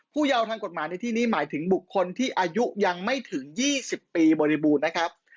เยาว์ทางกฎหมายในที่นี้หมายถึงบุคคลที่อายุยังไม่ถึง๒๐ปีบริบูรณ์นะครับ